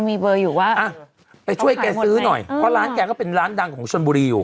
มีเบอร์อยู่ว่าอ่ะไปช่วยแกซื้อหน่อยเพราะร้านแกก็เป็นร้านดังของชนบุรีอยู่